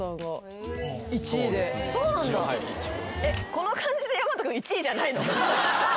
この感じでやまと君１位じゃないの？